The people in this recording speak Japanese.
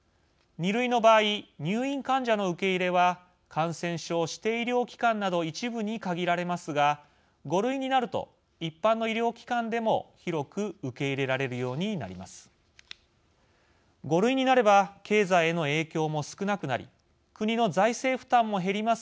２類の場合入院患者の受け入れは感染症指定医療機関など一部に限られますが５類になると一般の医療機関でも広く受け入れられるようになります。